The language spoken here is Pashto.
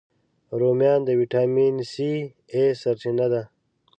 رومیان د ویټامین A، C سرچینه ده